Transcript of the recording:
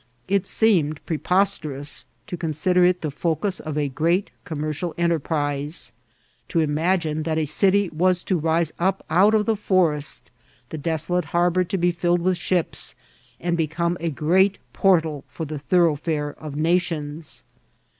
It seemed preposterous to consider it the focus of a great commercial enterprise ; to imagine that a city was to rise up out of the forest, the desolate harbour to be filled with ships, and become a great portal for the thorough fere of nations.